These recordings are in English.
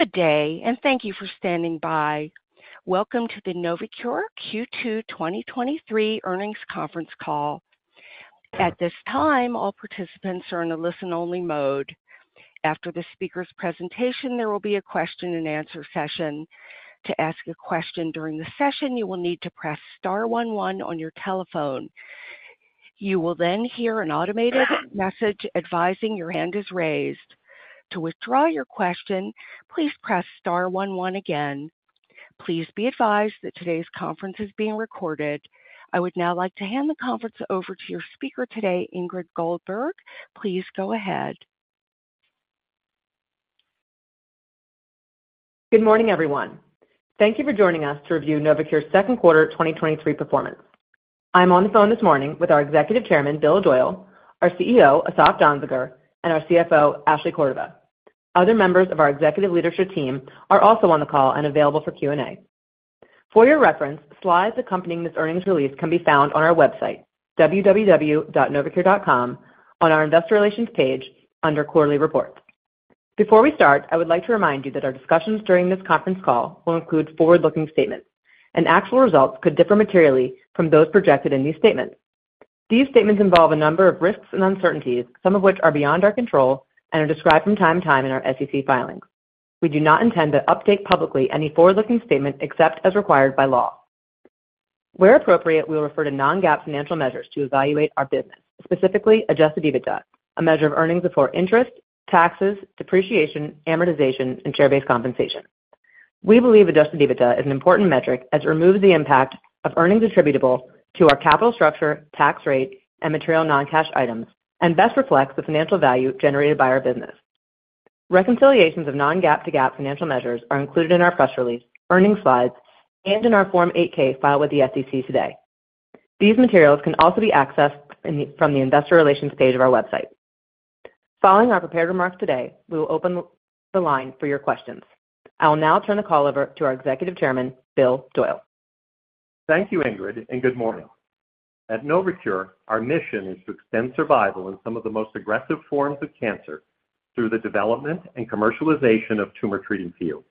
Good day. Thank you for standing by. Welcome to the Novocure Q2 2023 earnings conference call. At this time, all participants are in a listen-only mode. After the speaker's presentation, there will be a question-and-answer session. To ask a question during the session, you will need to press star one one on your telephone. You will hear an automated message advising your hand is raised. To withdraw your question, please press star one one again. Please be advised that today's conference is being recorded. I would now like to hand the conference over to your speaker today, Ingrid Goldberg. Please go ahead. Good morning, everyone. Thank you for joining us to review Novocure's second quarter 2023 performance. I'm on the phone this morning with our Executive Chairman, Bill Doyle, our CEO, Asaf Danziger, and our CFO, Ashley Cordova. Other members of our executive leadership team are also on the call and available for Q&A. For your reference, slides accompanying this earnings release can be found on our website, www.novocure.com, on our Investor Relations page under Quarterly Reports. Before we start, I would like to remind you that our discussions during this conference call will include forward-looking statements. Actual results could differ materially from those projected in these statements. These statements involve a number of risks and uncertainties, some of which are beyond our control and are described from time to time in our SEC filings. We do not intend to update publicly any forward-looking statement except as required by law. Where appropriate, we will refer to non-GAAP financial measures to evaluate our business, specifically adjusted EBITDA, a measure of earnings before interest, taxes, depreciation, amortization, and share-based compensation. We believe adjusted EBITDA is an important metric as it removes the impact of earnings attributable to our capital structure, tax rate, and material non-cash items, and best reflects the financial value generated by our business. Reconciliations of non-GAAP to GAAP financial measures are included in our press release, earnings slides, and in our Form 8-K filed with the SEC today. These materials can also be accessed from the Investor Relations page of our website. Following our prepared remarks today, we will open the line for your questions. I will now turn the call over to our Executive Chairman, Bill Doyle. Thank you, Ingrid. Good morning. At Novocure, our mission is to extend survival in some of the most aggressive forms of cancer through the development and commercialization of Tumor Treating Fields.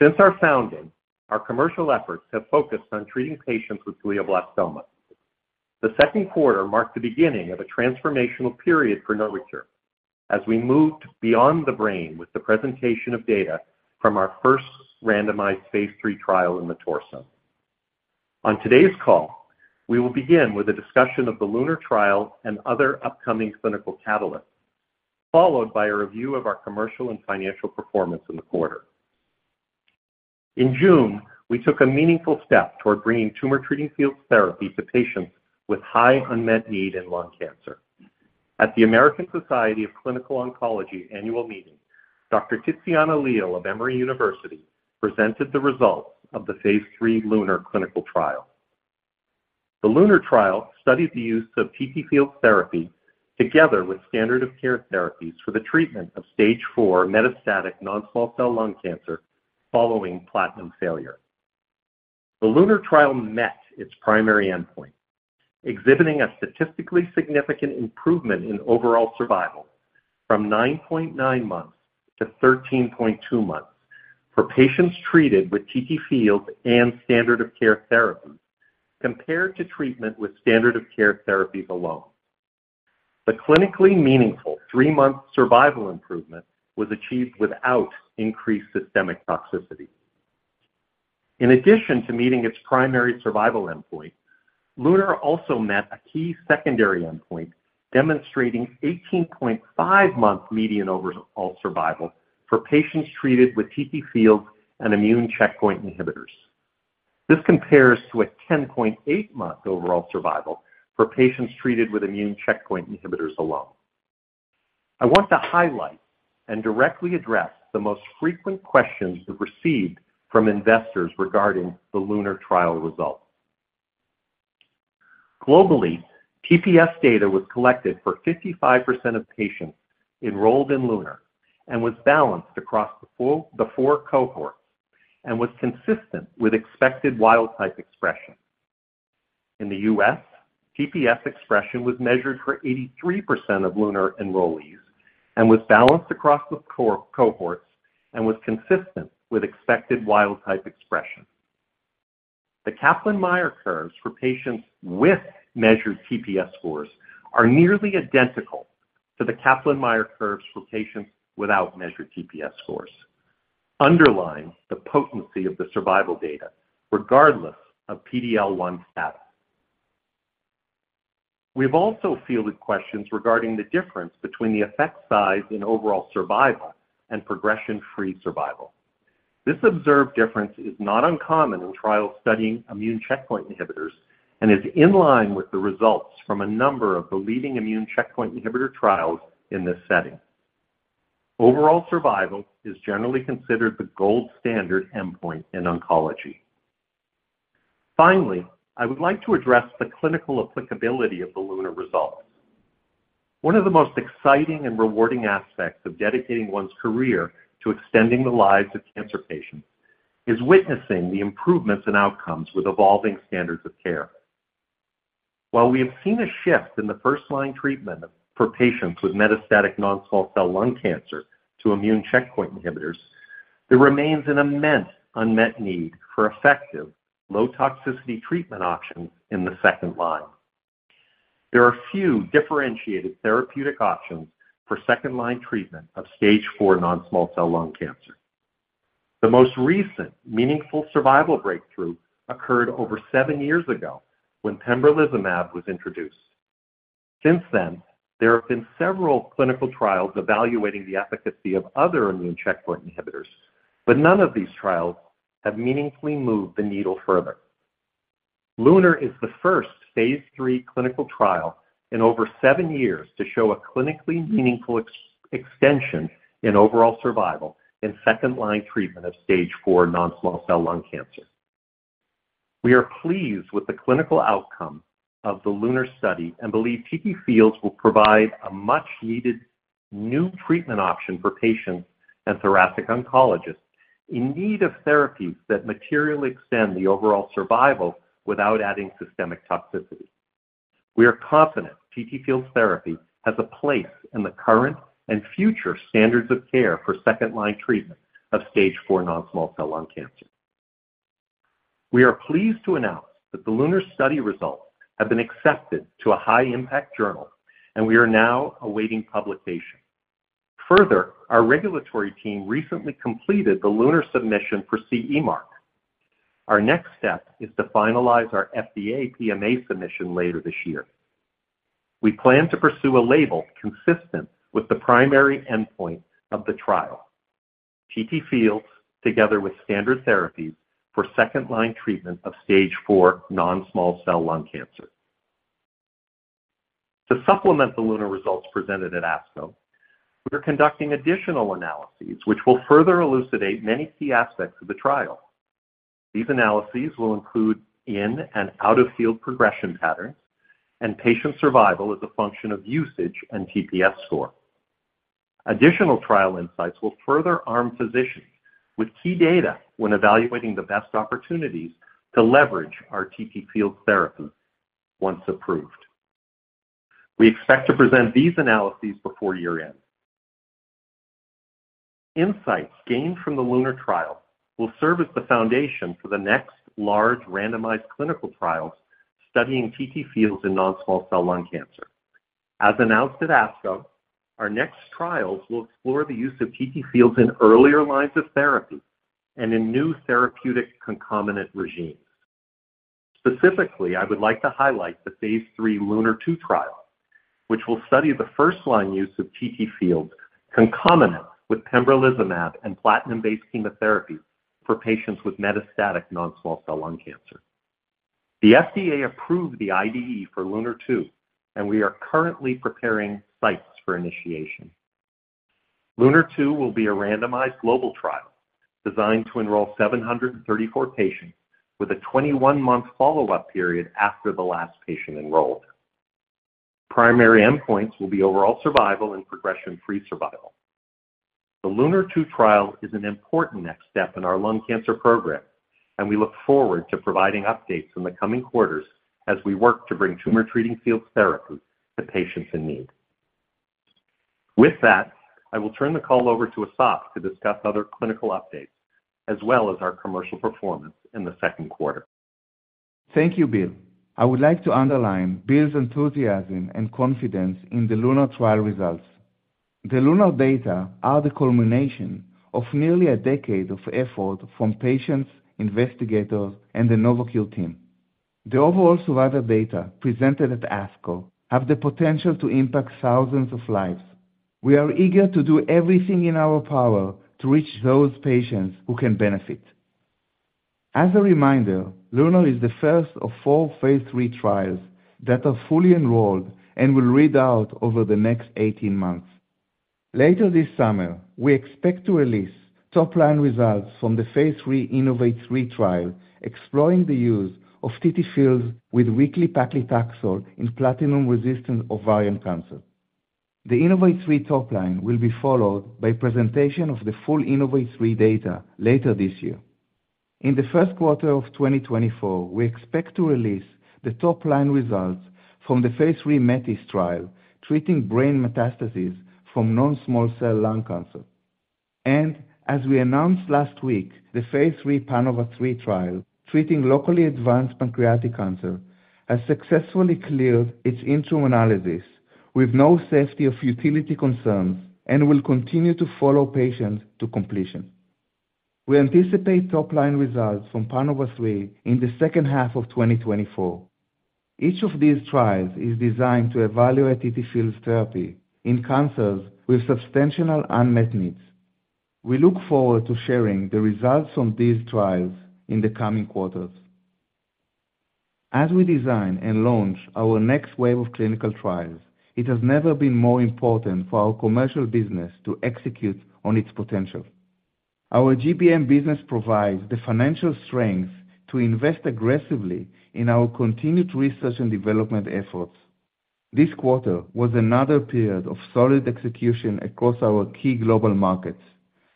Since our founding, our commercial efforts have focused on treating patients with glioblastoma. The second quarter marked the beginning of a transformational period for Novocure as we moved beyond the brain with the presentation of data from our first randomized phase III trial in the torso. On today's call, we will begin with a discussion of the LUNAR trial and other upcoming clinical catalysts, followed by a review of our commercial and financial performance in the quarter. In June, we took a meaningful step toward bringing Tumor Treating Fields therapy to patients with high unmet need in lung cancer. At the American Society of Clinical Oncology annual meeting, Dr. Ticiana Leal of Emory University presented the results of the phase III LUNAR clinical trial. The LUNAR trial studied the use of TTFields therapy together with standard of care therapies for the treatment of stage four metastatic non-small cell lung cancer following platinum failure. The LUNAR trial met its primary endpoint, exhibiting a statistically significant improvement in overall survival from 9.9 months to 13.2 months for patients treated with TTFields and standard of care therapies, compared to treatment with standard of care therapies alone. The clinically meaningful 3-month survival improvement was achieved without increased systemic toxicity. In addition to meeting its primary survival endpoint, LUNAR also met a key secondary endpoint, demonstrating 18.5-month median overall survival for patients treated with TTFields and immune checkpoint inhibitors. This compares to a 10.8-month overall survival for patients treated with immune checkpoint inhibitors alone. I want to highlight and directly address the most frequent questions we've received from investors regarding the LUNAR trial results. Globally, TPS data was collected for 55% of patients enrolled in LUNAR and was balanced across the four cohorts and was consistent with expected wild-type expression. In the U.S., TPS expression was measured for 83% of LUNAR enrollees and was balanced across the cohorts and was consistent with expected wild-type expression. The Kaplan-Meier curves for patients with measured TPS scores are nearly identical to the Kaplan-Meier curves for patients without measured TPS scores, underlying the potency of the survival data, regardless of PD-L1 status. We've also fielded questions regarding the difference between the effect size in overall survival and progression-free survival. This observed difference is not uncommon in trials studying immune checkpoint inhibitors and is in line with the results from a number of the leading immune checkpoint inhibitor trials in this setting. Overall survival is generally considered the gold standard endpoint in oncology. Finally, I would like to address the clinical applicability of the LUNAR results. One of the most exciting and rewarding aspects of dedicating one's career to extending the lives of cancer patients is witnessing the improvements in outcomes with evolving standards of care. While we have seen a shift in the first-line treatment for patients with metastatic non-small cell lung cancer to immune checkpoint inhibitors, there remains an immense unmet need for effective, low-toxicity treatment options in the second line. There are few differentiated therapeutic options for second-line treatment of stage four non-small cell lung cancer. The most recent meaningful survival breakthrough occurred over seven years ago when pembrolizumab was introduced. Since then, there have been several clinical trials evaluating the efficacy of other immune checkpoint inhibitors, but none of these trials have meaningfully moved the needle further. LUNAR is the first phase III clinical trial in over seven years to show a clinically meaningful extension in overall survival in second-line treatment of stage 4 non-small cell lung cancer. We are pleased with the clinical outcome of the LUNAR study and believe TTFields will provide a much-needed new treatment option for patients and thoracic oncologists in need of therapies that materially extend the overall survival without adding systemic toxicity. We are confident TTFields therapy has a place in the current and future standards of care for second-line treatment of stage 4 non-small cell lung cancer. We are pleased to announce that the LUNAR study results have been accepted to a high-impact journal, and we are now awaiting publication. Our regulatory team recently completed the LUNAR submission for CE mark. Our next step is to finalize our FDA PMA submission later this year. We plan to pursue a label consistent with the primary endpoint of the trial, TTFields, together with standard therapies for second-line treatment of stage 4 non-small cell lung cancer. To supplement the LUNAR results presented at ASCO, we are conducting additional analyses, which will further elucidate many key aspects of the trial. These analyses will include in-and-out-of-field progression patterns and patient survival as a function of usage and TPS score. Additional trial insights will further arm physicians with key data when evaluating the best opportunities to leverage our TTFields therapies once approved. We expect to present these analyses before year-end. Insights gained from the LUNAR trial will serve as the foundation for the next large randomized clinical trials studying TTFields in non-small cell lung cancer. As announced at ASCO, our next trials will explore the use of TTFields in earlier lines of therapy and in new therapeutic concomitant regimens. Specifically, I would like to highlight the phase III LUNAR-2 trial, which will study the first-line use of TTFields concomitant with pembrolizumab and platinum-based chemotherapy for patients with metastatic non-small cell lung cancer. The FDA approved the IDE for LUNAR-2. We are currently preparing sites for initiation. LUNAR-2 will be a randomized global trial designed to enroll 734 patients, with a 21-month follow-up period after the last patient enrolled. Primary endpoints will be overall survival and progression-free survival. The LUNAR-2 trial is an important next step in our lung cancer program, and we look forward to providing updates in the coming quarters as we work to bring Tumor Treating Fields therapy to patients in need. With that, I will turn the call over to Asaf to discuss other clinical updates, as well as our commercial performance in the second quarter. Thank you, Bill. I would like to underline Bill's enthusiasm and confidence in the LUNAR trial results. The LUNAR data are the culmination of nearly a decade of effort from patients, investigators, and the Novocure team. The overall survival data presented at ASCO have the potential to impact thousands of lives. We are eager to do everything in our power to reach those patients who can benefit. As a reminder, LUNAR is the first of four phase III trials that are fully enrolled and will read out over the next 18 months. Later this summer, we expect to release top-line results from the phase III INNOVATE-3 trial, exploring the use of TTFields with weekly paclitaxel in platinum-resistant ovarian cancer. The INNOVATE-3 top line will be followed by presentation of the full INNOVATE-3 data later this year. In the first quarter of 2024, we expect to release the top-line results from the phase III METIS trial, treating brain metastases from non-small cell lung cancer. As we announced last week, the phase III PANOVA-3 trial, treating locally advanced pancreatic cancer, has successfully cleared its interim analysis with no safety or futility concerns and will continue to follow patients to completion. We anticipate top-line results from PANOVA-3 in the second half of 2024. Each of these trials is designed to evaluate TTFields therapy in cancers with substantial unmet needs. We look forward to sharing the results from these trials in the coming quarters. As we design and launch our next wave of clinical trials, it has never been more important for our commercial business to execute on its potential. Our GBM business provides the financial strength to invest aggressively in our continued research and development efforts. This quarter was another period of solid execution across our key global markets,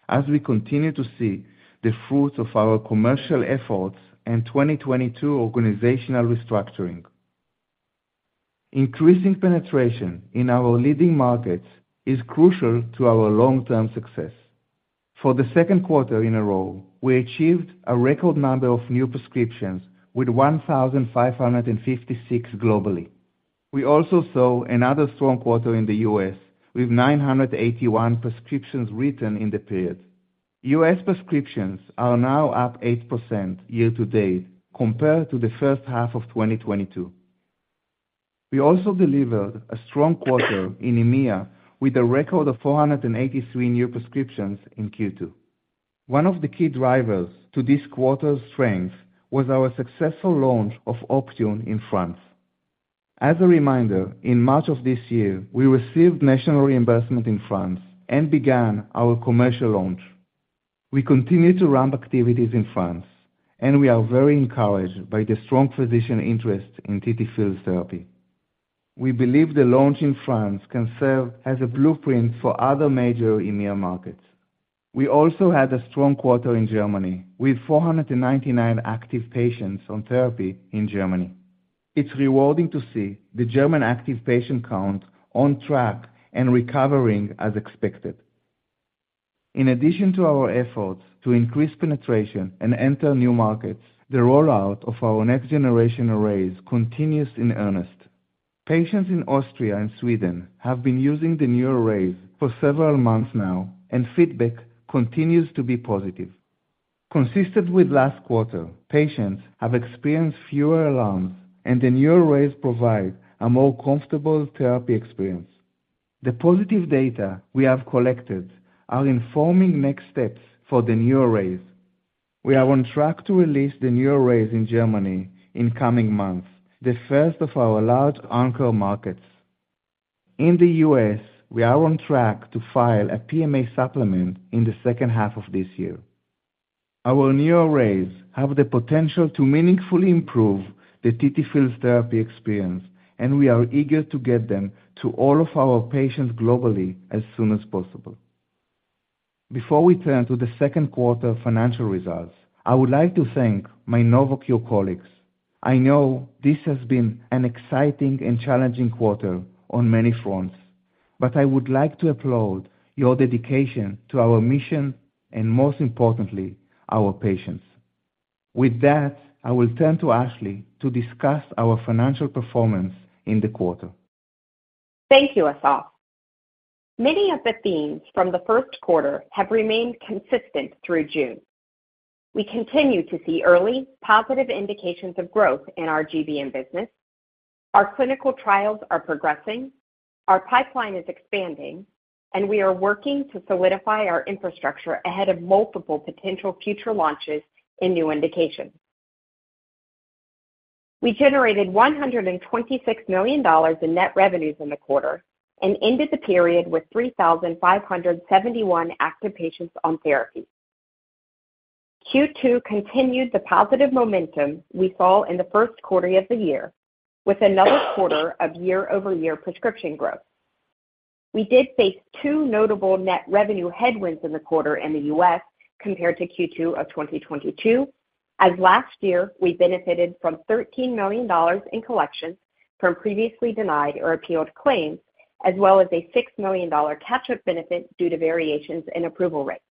as we continue to see the fruits of our commercial efforts and 2022 organizational restructuring. Increasing penetration in our leading markets is crucial to our long-term success. For the second quarter in a row, we achieved a record number of new prescriptions with 1,556 globally. We also saw another strong quarter in the U.S., with 981 prescriptions written in the period. U.S. prescriptions are now up 8% year to date compared to the first half of 2022. We also delivered a strong quarter in EMEA, with a record of 483 new prescriptions in Q2. One of the key drivers to this quarter's strength was our successful launch of Optune in France. As a reminder, in March of this year, we received national reimbursement in France and began our commercial launch. We continue to ramp activities in France, and we are very encouraged by the strong physician interest in TTFields therapy. We believe the launch in France can serve as a blueprint for other major EMEA markets. We also had a strong quarter in Germany, with 499 active patients on therapy in Germany. It's rewarding to see the German active patient count on track and recovering as expected. In addition to our efforts to increase penetration and enter new markets, the rollout of our next generation arrays continues in earnest. Patients in Austria and Sweden have been using the new arrays for several months now, and feedback continues to be positive. Consistent with last quarter, patients have experienced fewer alarms, and the new arrays provide a more comfortable therapy experience. The positive data we have collected are informing next steps for the new arrays. We are on track to release the new arrays in Germany in coming months, the first of our large onco markets. In the U.S., we are on track to file a PMA supplement in the second half of this year. Our new arrays have the potential to meaningfully improve the TTFields therapy experience, and we are eager to get them to all of our patients globally as soon as possible. Before we turn to the second quarter financial results, I would like to thank my Novocure colleagues. I know this has been an exciting and challenging quarter on many fronts, but I would like to applaud your dedication to our mission and, most importantly, our patients. With that, I will turn to Ashley to discuss our financial performance in the quarter. Thank you, Asaf. Many of the themes from the first quarter have remained consistent through June. We continue to see early positive indications of growth in our GBM business, our clinical trials are progressing, our pipeline is expanding, and we are working to solidify our infrastructure ahead of multiple potential future launches in new indications. We generated $126 million in net revenues in the quarter and ended the period with 3,571 active patients on therapy. Q2 continued the positive momentum we saw in the first quarter of the year, with another quarter of year-over-year prescription growth. We did face two notable net revenue headwinds in the quarter in the U.S. compared to Q2 of 2022, as last year we benefited from $13 million in collections from previously denied or appealed claims, as well as a $6 million catch-up benefit due to variations in approval rates.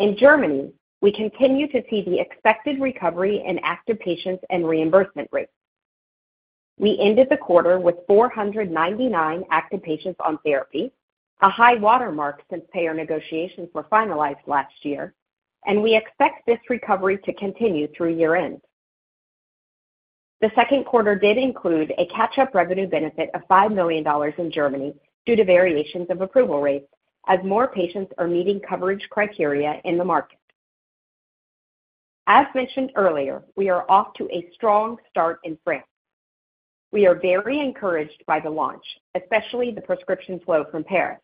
In Germany, we continue to see the expected recovery in active patients and reimbursement rates. We ended the quarter with 499 active patients on therapy, a high watermark since payer negotiations were finalized last year. We expect this recovery to continue through year-end. The second quarter did include a catch-up revenue benefit of $5 million in Germany due to variations of approval rates, as more patients are meeting coverage criteria in the market. As mentioned earlier, we are off to a strong start in France. We are very encouraged by the launch, especially the prescription flow from Paris.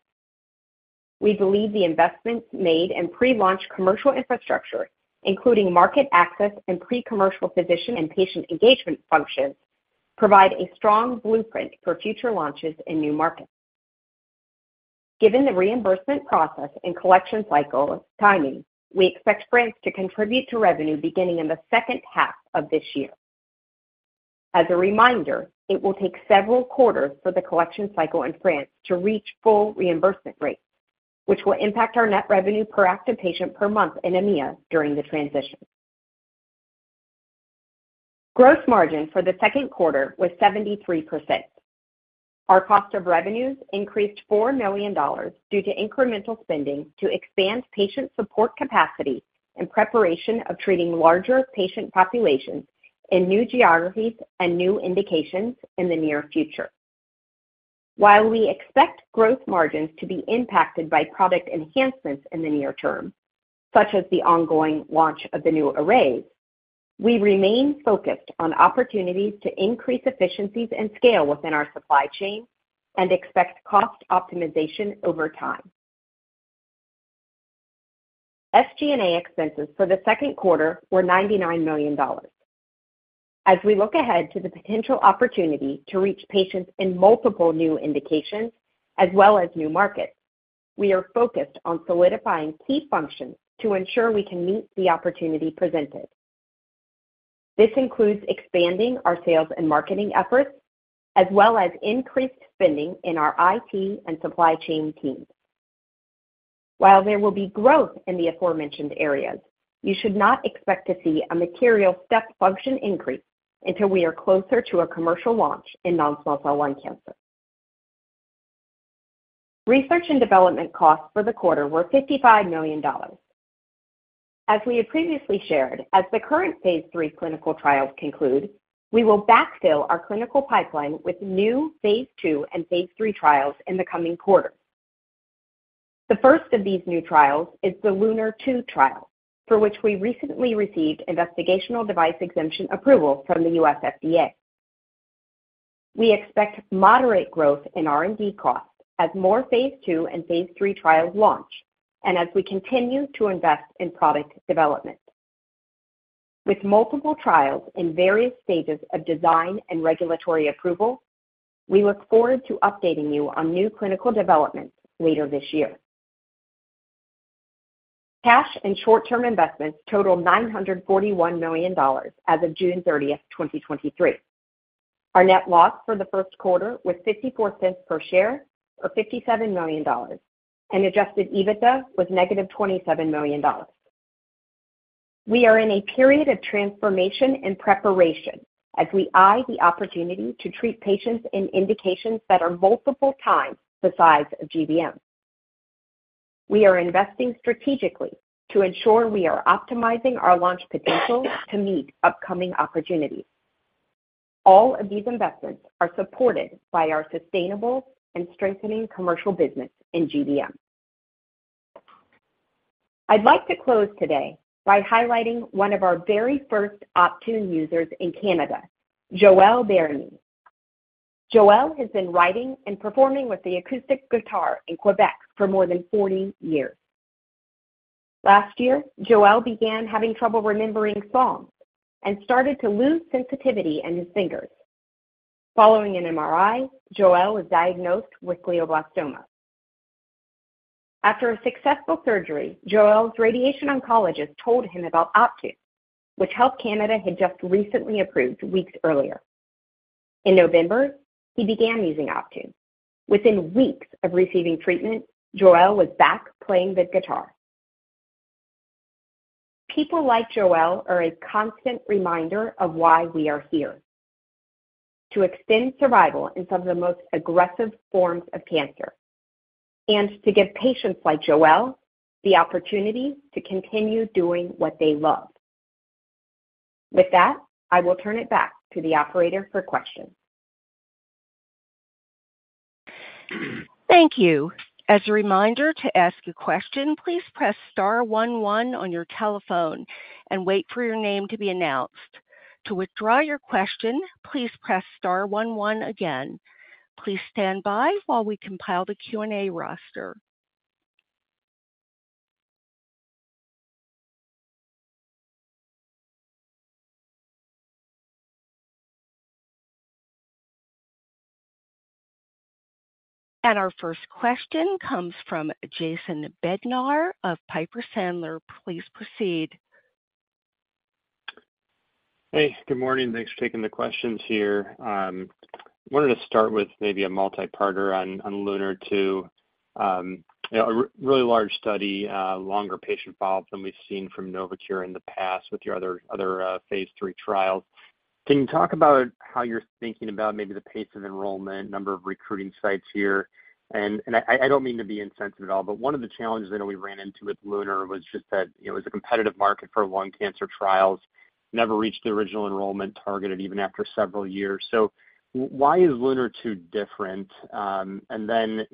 We believe the investments made in pre-launch commercial infrastructure, including market access and pre-commercial physician and patient engagement functions, provide a strong blueprint for future launches in new markets. Given the reimbursement process and collection cycle timing, we expect France to contribute to revenue beginning in the second half of this year. As a reminder, it will take several quarters for the collection cycle in France to reach full reimbursement rates, which will impact our net revenue per active patient per month in EMEA during the transition. Gross margin for the second quarter was 73%. Our cost of revenues increased $4 million due to incremental spending to expand patient support capacity in preparation of treating larger patient populations in new geographies and new indications in the near future. While we expect gross margins to be impacted by product enhancements in the near term, such as the ongoing launch of the new arrays, we remain focused on opportunities to increase efficiencies and scale within our supply chain and expect cost optimization over time. SG&A expenses for the second quarter were $99 million. We look ahead to the potential opportunity to reach patients in multiple new indications as well as new markets, we are focused on solidifying key functions to ensure we can meet the opportunity presented. This includes expanding our sales and marketing efforts, as well as increased spending in our IT and supply chain teams. There will be growth in the aforementioned areas, you should not expect to see a material step function increase until we are closer to a commercial launch in non-small cell lung cancer. Research and development costs for the quarter were $55 million. As we have previously shared, as the current phase III clinical trials conclude, we will backfill our clinical pipeline with new phase II and phase III trials in the coming quarters. The first of these new trials is the LUNAR-2 trial, for which we recently received Investigational Device Exemption approval from the U.S. FDA. We expect moderate growth in R&D costs as more phase II and phase III trials launch and as we continue to invest in product development. With multiple trials in various stages of design and regulatory approval, we look forward to updating you on new clinical developments later this year. Cash and short-term investments totaled $941 million as of June 30, 2023. Our net loss for the first quarter was $0.54 per share, or $57 million, and adjusted EBITDA was -$27 million. We are in a period of transformation and preparation as we eye the opportunity to treat patients in indications that are multiple times the size of GBM. We are investing strategically to ensure we are optimizing our launch potential to meet upcoming opportunities. All of these investments are supported by our sustainable and strengthening commercial business in GBM. I'd like to close today by highlighting one of our very first Optune users in Canada, Joel Bernier. Joel has been writing and performing with the acoustic guitar in Québec for more than 40 years. Last year, Joel began having trouble remembering songs and started to lose sensitivity in his fingers. Following an MRI, Joel was diagnosed with glioblastoma. After a successful surgery, Joel's radiation oncologist told him about Optune, which Health Canada had just recently approved weeks earlier. In November, he began using Optune. Within weeks of receiving treatment, Joel was back playing the guitar. People like Joel are a constant reminder of why we are here, to extend survival in some of the most aggressive forms of cancer and to give patients like Joel the opportunity to continue doing what they love. With that, I will turn it back to the operator for questions. Thank you. As a reminder to ask a question, please press star one one on your telephone and wait for your name to be announced. To withdraw your question, please press star one one again. Please stand by while we compile the Q&A roster. Our first question comes from Jason Bednar of Piper Sandler. Please proceed. Hey, good morning. Thanks for taking the questions here. wanted to start with maybe a multi-parter on LUNAR-2. a really large study, longer patient follow-up than we've seen from Novocure in the past with your other phase III trials. Can you talk about how you're thinking about maybe the pace of enrollment, number of recruiting sites here? And I don't mean to be insensitive at all, but one of the challenges that we ran into with LUNAR was just that it was a competitive market for lung cancer trials, never reached the original enrollment targeted even after several years. why is LUNAR-2 different? You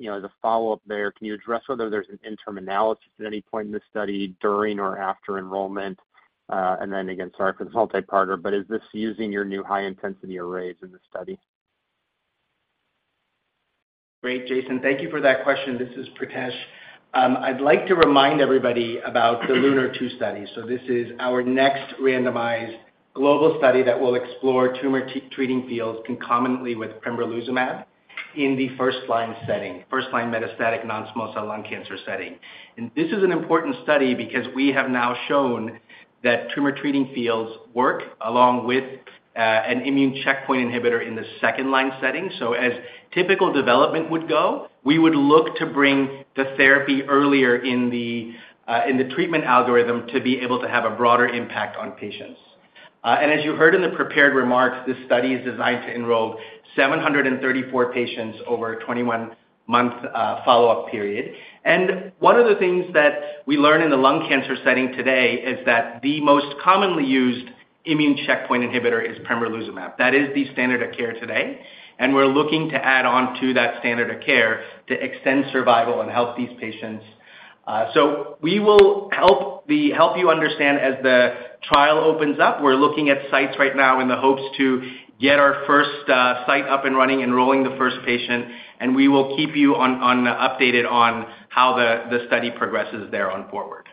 know, as a follow-up there, can you address whether there's an interim analysis at any point in this study, during or after enrollment? Again, sorry for this multi-parter, but is this using your new high-intensity arrays in this study? Great, Jason. Thank you for that question. This is Pritesh. I'd like to remind everybody about the LUNAR-2 study. This is our next randomized global study that will explore Tumor Treating Fields concomitantly with pembrolizumab in the first-line setting, first-line metastatic non-small cell lung cancer setting. This is an important study because we have now shown that Tumor Treating Fields work along with an immune checkpoint inhibitor in the second line setting. As typical development would go, we would look to bring the therapy earlier in the treatment algorithm to be able to have a broader impact on patients. As you heard in the prepared remarks, this study is designed to enroll 734 patients over a 21 month follow-up period. One of the things that we learn in the lung cancer setting today is that the most commonly used immune checkpoint inhibitor is pembrolizumab. That is the standard of care today, and we're looking to add on to that standard of care to extend survival and help these patients. We will help you understand as the trial opens up. We're looking at sites right now in the hopes to get our first site up and running, enrolling the first patient, and we will keep you on updated on how the study progresses there on forward.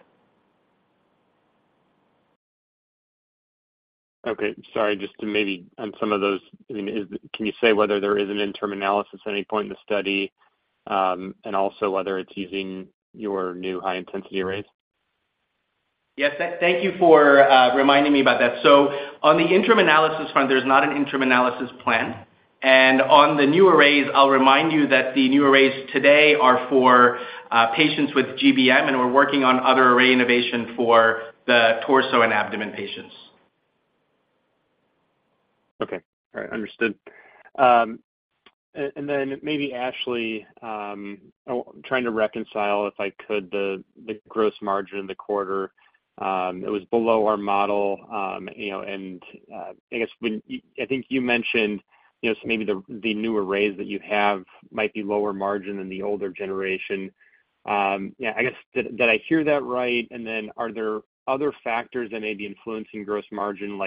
Okay, sorry, just to maybe on some of those, I mean, is, can you say whether there is an interim analysis at any point in the study, and also whether it's using your new high-intensity arrays? Yes, thank you for reminding me about that. On the interim analysis front, there's not an interim analysis plan. On the new arrays, I'll remind you that the new arrays today are for patients with GBM, and we're working on other array innovation for the torso and abdomen patients. Okay. All right, understood. Then maybe Ashley, I trying to reconcile, if I could, the gross margin in the quarter. It was below our model, and I guess when I think you mentioned, so maybe the new arrays that you have might be lower margin than the older generation. Yeah, I guess, did I hear that right? Then are there other factors that may be influencing gross margin,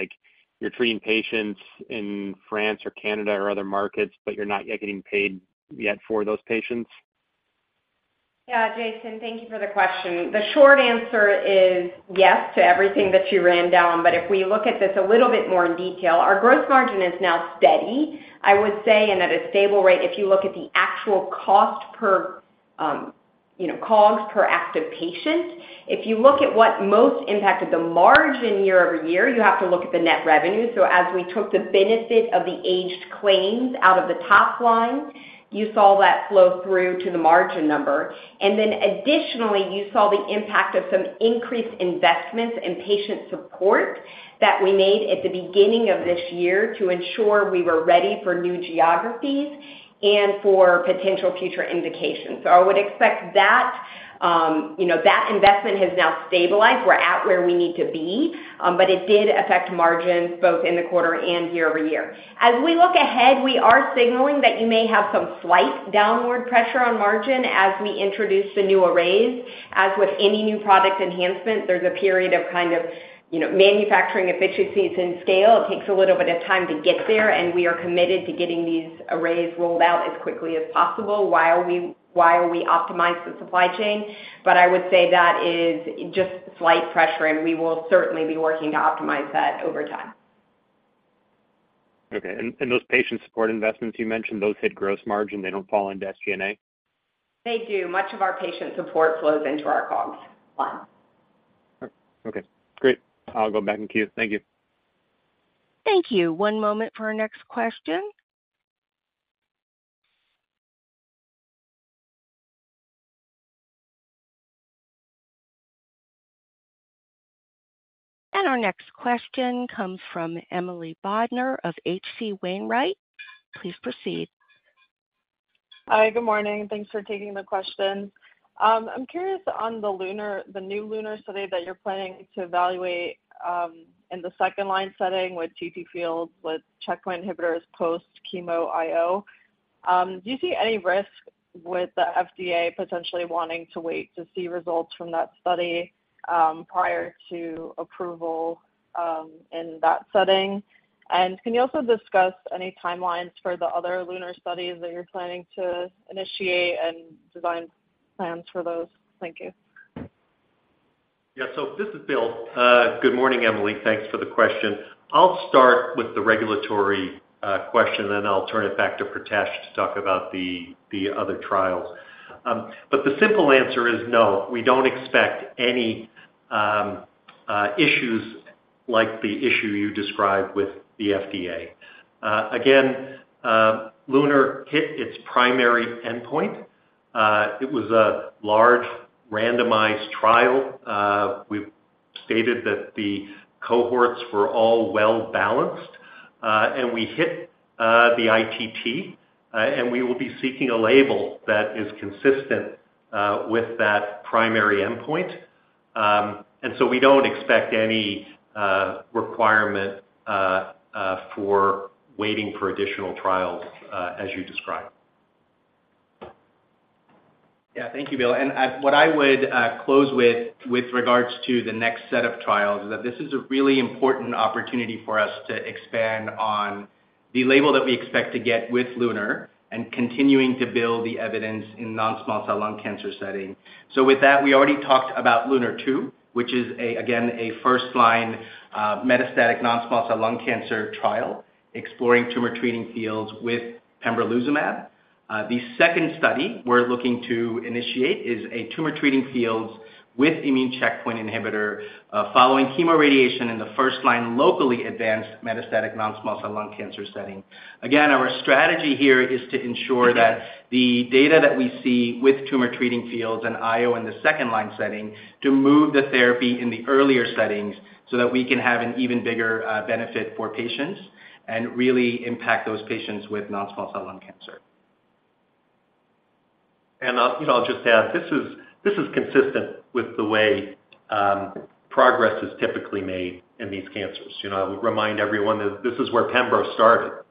like you're treating patients in France or Canada or other markets, but you're not yet getting paid yet for those patients? Yeah, Jason, thank you for the question. The short answer is yes to everything that you ran down, but if we look at this a little bit more in detail, our gross margin is now steady, I would say, and at a stable rate, if you look at the actual cost per, you know, COGS per active patient. If you look at what most impacted the margin year-over-year, you have to look at the net revenue. As we took the benefit of the aged claims out of the top line, you saw that flow through to the margin number. Additionally, you saw the impact of some increased investments in patient support that we made at the beginning of this year to ensure we were ready for new geographies and for potential future indications. I would expect that investment has now stabilized. We're at where we need to be, it did affect margins both in the quarter and year-over-year. As we look ahead, we are signaling that you may have some slight downward pressure on margin as we introduce the new arrays. With any new product enhancement, there's a period of kind of manufacturing efficiencies and scale. It takes a little bit of time to get there, and we are committed to getting these arrays rolled out as quickly as possible while we optimize the supply chain. I would say that is just slight pressure, and we will certainly be working to optimize that over time. Okay. Those patient support investments you mentioned, those hit gross margin, they don't fall into SG&A? They do. Much of our patient support flows into our COGS line. Okay, great. I'll go back in queue. Thank you. Thank you. One moment for our next question. Our next question comes from Emily Bodnar of H.C. Wainwright. Please proceed. Hi, good morning. Thanks for taking the question. I'm curious on the LUNAR, the new LUNAR study that you're planning to evaluate in the second-line setting with TT fields, with checkpoint inhibitors post chemo IO. Do you see any risk with the FDA potentially wanting to wait to see results from that study prior to approval in that setting? Can you also discuss any timelines for the other LUNAR studies that you're planning to initiate and design plans for those? Thank you. Yeah. This is Bill. Good morning, Emily. Thanks for the question. I'll start with the regulatory question, then I'll turn it back to Pritesh to talk about the other trials. The simple answer is no, we don't expect any issues like the issue you described with the FDA. LUNAR hit its primary endpoint. It was a large randomized trial. We've stated that the cohorts were all well-balanced, and we hit the ITT, and we will be seeking a label that is consistent with that primary endpoint. We don't expect any requirement for waiting for additional trials, as you described. Yeah. Thank you, Bill. What I would close with regards to the next set of trials, is that this is a really important opportunity for us to expand on the label that we expect to get with LUNAR and continuing to build the evidence in non-small cell lung cancer setting. With that, we already talked about LUNAR-2, which is again, a first-line metastatic non-small cell lung cancer trial, exploring Tumor Treating Fields with pembrolizumab. The second study we're looking to initiate is a Tumor Treating Fields with immune checkpoint inhibitor following chemoradiation in the first line, locally advanced metastatic non-small cell lung cancer setting. Our strategy here is to ensure that the data that we see with Tumor Treating Fields and IO in the second line setting to move the therapy in the earlier settings so that we can have an even bigger benefit for patients and really impact those patients with non-small cell lung cancer. I'll just add, this is consistent with the way progress is typically made in these cancers. You know, I would remind everyone that this is where pembrolizumab started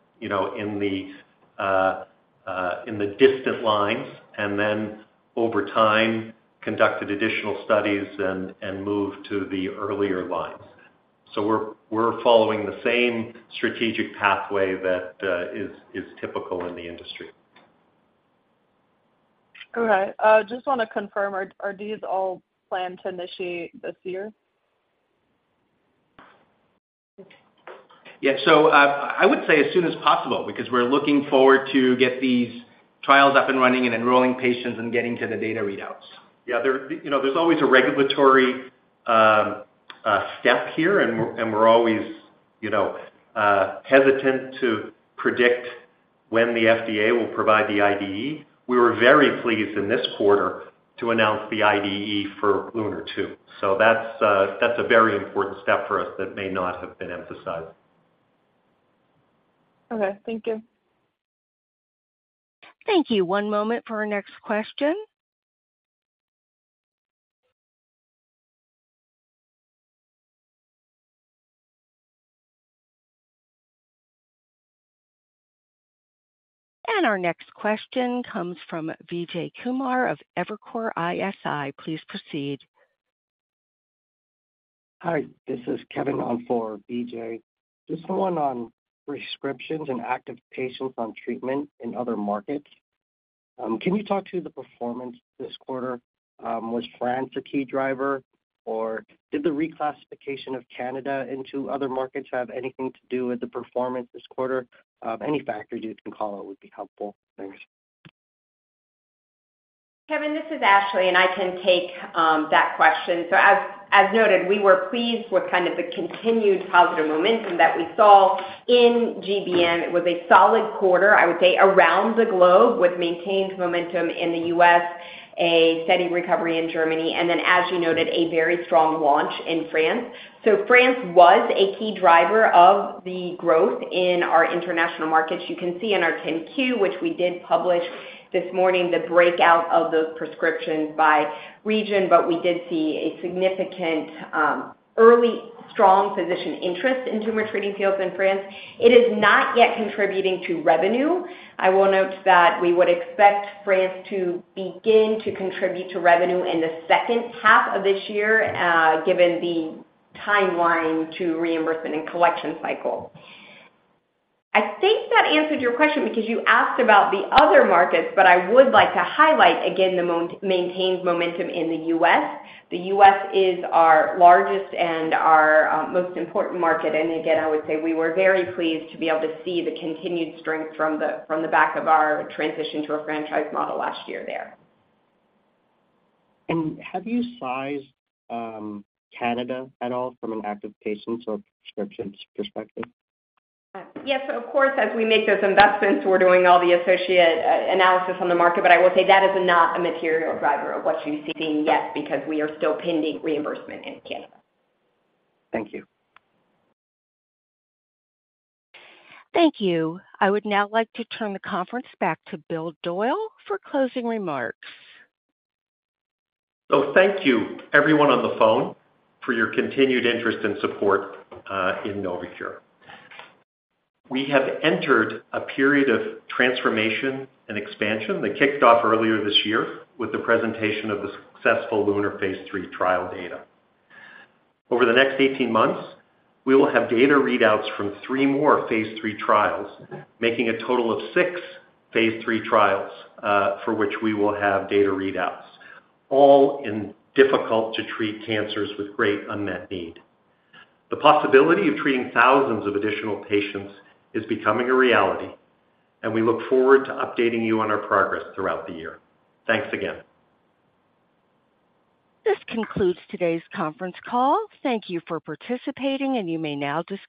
in the distant lines, then over time, conducted additional studies and moved to the earlier lines. We're following the same strategic pathway that is typical in the industry. Okay. Just want to confirm, are these all planned to initiate this year? Yeah. I would say as soon as possible, because we're looking forward to get these trials up and running and enrolling patients and getting to the data readouts. Yeah, there, you know, there's always a regulatory step here, and we're always, you know, hesitant to predict when the FDA will provide the IDE. We were very pleased in this quarter to announce the IDE for LUNAR-2. That's a very important step for us that may not have been emphasized. Okay, thank you. Thank you. One moment for our next question. Our next question comes from Vijay Kumar of Evercore ISI. Please proceed. Hi, this is Kevin on for Vijay. Just one on prescriptions and active patients on treatment in other markets. Can you talk to the performance this quarter? Was France a key driver, or did the reclassification of Canada into other markets have anything to do with the performance this quarter? Any factors you can call out would be helpful. Thanks. Kevin, this is Ashley, and I can take that question. As, as noted, we were pleased with kind of the continued positive momentum that we saw in GBM. It was a solid quarter, I would say, around the globe, with maintained momentum in the U.S., a steady recovery in Germany, and as you noted, a very strong launch in France. France was a key driver of the growth in our international markets. You can see in our 10-Q, which we did publish this morning, the breakout of those prescriptions by region, but we did see a significant early strong physician interest in Tumor Treating Fields in France. It is not yet contributing to revenue. I will note that we would expect France to begin to contribute to revenue in the second half of this year, given the timeline to reimbursement and collection cycle. I think that answered your question because you asked about the other markets, I would like to highlight again, the maintained momentum in the U.S. The U.S. is our largest and our most important market. Again, I would say we were very pleased to be able to see the continued strength from the back of our transition to a franchise model last year there. Have you sized Canada at all from an active patients or prescriptions perspective? Yes. Of course, as we make those investments, we're doing all the associate analysis on the market, but I will say that is not a material driver of what you're seeing yet, because we are still pending reimbursement in Canada. Thank you. Thank you. I would now like to turn the conference back to Bill Doyle for closing remarks. Thank you everyone on the phone for your continued interest and support in Novocure. We have entered a period of transformation and expansion that kicked off earlier this year with the presentation of the successful LUNAR phase III trial data. Over the next 18 months, we will have data readouts from three more phase III trials, making a total of six phase III trials for which we will have data readouts, all in difficult to treat cancers with great unmet need. The possibility of treating thousands of additional patients is becoming a reality, and we look forward to updating you on our progress throughout the year. Thanks again. This concludes today's conference call. Thank you for participating, and you may now disconnect.